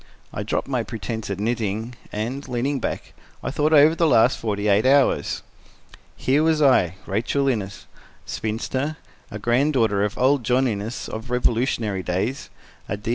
I dropped my pretense at knitting and, leaning back, I thought over the last forty eight hours. Here was I, Rachel Innes, spinster, a granddaughter of old John Innes of Revolutionary days, a D.